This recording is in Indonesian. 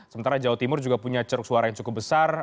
sementara jawa timur juga punya ceruk suara yang cukup besar